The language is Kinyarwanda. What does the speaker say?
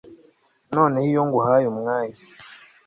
noneho iyo nguhaye umwanya